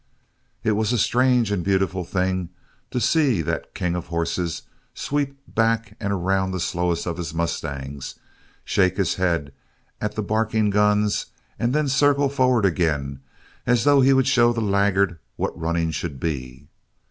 It was a strange and beautiful thing to see that king of horses sweep back around the slowest of his mustangs, shake his head at the barking guns, and then circle forward again as though he would show the laggard what running should be.